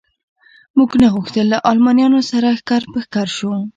موږ نه غوښتل له المانیانو سره ښکر په ښکر شو.